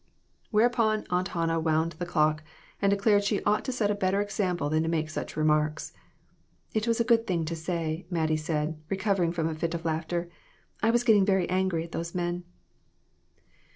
Whereupon Aunt Hannah wound the clock, and declared she ought to set a better example than to make such remarks. "It was a good thing to say," Mattie said, recovering from a fit of laughter. "I was getting very angry at those men."